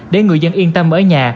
để người dân yên tâm ở nhà